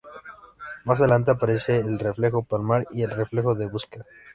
Más adelante aparecen el reflejo palmar y el reflejo de búsqueda.